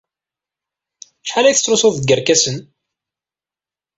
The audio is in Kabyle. Acḥal ay tettlusud deg yerkasen?